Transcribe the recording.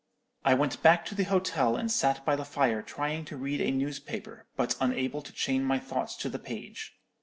"I went back to the hotel and sat by the fire trying to read a newspaper, but unable to chain my thoughts to the page.